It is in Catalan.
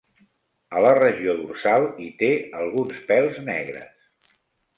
A la regió dorsal, hi té alguns pèls negres.